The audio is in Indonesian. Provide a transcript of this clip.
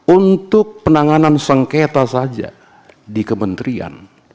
untuk penanganan sengketa saja di kementerian